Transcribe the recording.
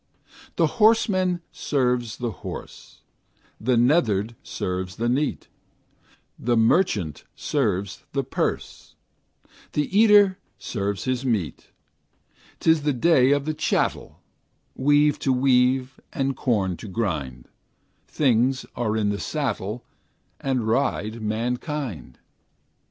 The horseman serves the horse, The neatherd serves the neat, The merchant serves the purse, The eater serves his meat; 'T is the day of the chattel, Web to weave, and corn to grind; Things are in the saddle, And ride mankind.